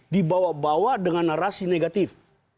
dibawa bawa dengan narasi negatif